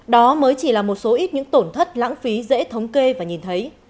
đó mới chỉ là một số ít những tổn thất lãng phí dễ thống kê và nhìn thấy